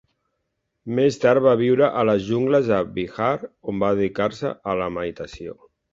Més tard va viure a les jungles de Bihar, on va dedicar-se a la meditació.